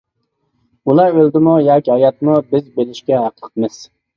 ئۇلار ئۆلدىمۇ ياكى ھاياتمۇ بىز بىلىشكە ھەقلىقمىز!